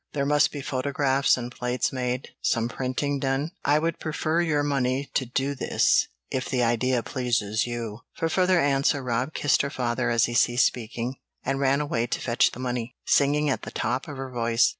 There must be photographs and plates made, some printing done. I would prefer your money to do this, if the idea pleases you." For further answer Rob kissed her father as he ceased speaking, and ran away to fetch the money, singing at the top of her voice.